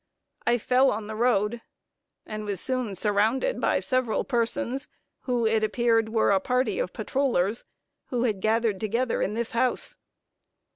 I fell on the road, and was soon surrounded by several persons, who it appeared were a party of patrollers, who had gathered together in this house.